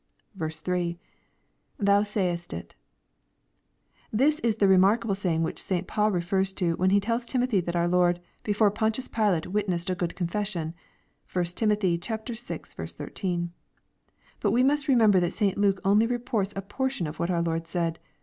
i, — {Thou sayest it] This Ls the remarkable saying which St. Paul refers to, when he tells Timothy that our Lord " before Pontius Pilate witnessed a good confession." (1 Tim. vi. 13.) But we must remember that St. Luke only reports a portion of what our Lord said.